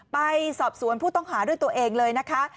ไปสอบสวนผู้ต้องหาด้วยตัวเองเลยนะคะ